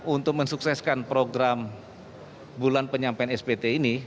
untuk mensukseskan program bulan penyampaian spt ini